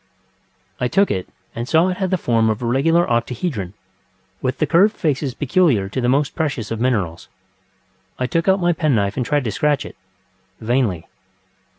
I took it, and saw it had the form of a regular octahedron, with the curved faces peculiar to the most precious of minerals. I took out my penknife and tried to scratch itŌĆövainly.